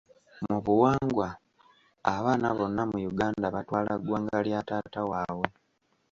Mu buwangwa, abaana bonna mu Uganda batwala ggwanga lya taata waabwe.